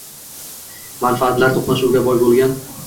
Manfaatlar to‘qnashuviga boy bo‘lgan.